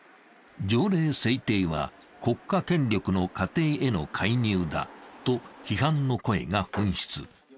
条例制定は国家権力の家庭への介入だと批判の声が噴出。